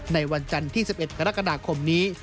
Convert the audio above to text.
ในวันจันทร์ที่๑๑กรกฎาคมนี้